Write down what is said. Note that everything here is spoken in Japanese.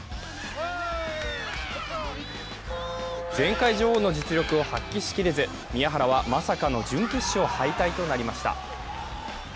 前回女王の実力を発揮しきれず、宮原は、まさかの準決勝敗退となりました。